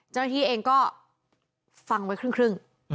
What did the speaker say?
เจ้าหน้าที่เองก็ฟังไว้ครึ่ง